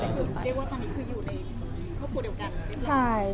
ได้ลองกลุ่มว่าตอนนี้คุยอยู่ในครอบครอบครองเดียวกัน